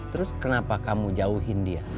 terus kenapa kamu jauhin dia